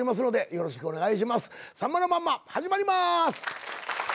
『さんまのまんま』始まります！